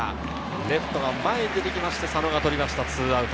レフトが前に出てきて佐野が捕りました、２アウト。